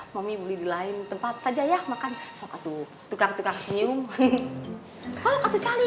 mami boleh di lain tempat saja ya makan sok tuh tukang tukang senyum sok tuh calik